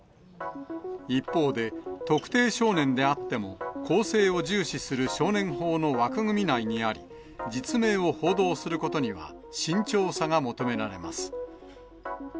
一方で、特定少年であっても更生を重視する少年法の枠組み内にあり、実名を報道することには慎重さが求められます。